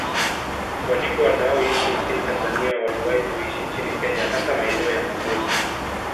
Wadigo wanaoishi nchini Tanzania waliwahi kuishi nchini Kenya hasa maeneo ya Magodi